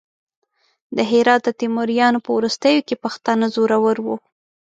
د هرات د تیموریانو په وروستیو کې پښتانه زورور وو.